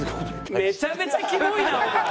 めちゃめちゃキモイな！